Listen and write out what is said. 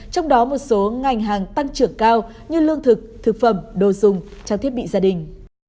trong đó một số ngành hàng tăng trưởng cao như lương thực thực phẩm đồ dùng trang thiết bị gia đình